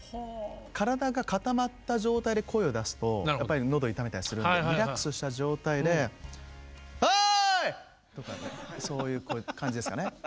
体が固まった状態で声を出すとやっぱりのど痛めたりするんでリラックスした状態で「ハーイ」とかそういう感じですかね。